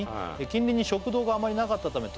「近隣に食堂があまりなかったため」